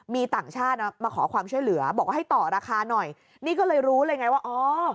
มีต่างชาติประมาวะขอความเชื่อเหลือบอกให้ต่อราคาหน่อยก็เลยรู้เลยไงว่าเอา